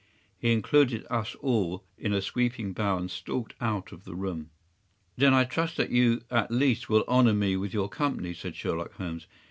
” He included us all in a sweeping bow and stalked out of the room. “Then I trust that you at least will honor me with your company,” said Sherlock Holmes.